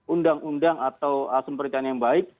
undang undang atau asumensi pemerintahan yang baik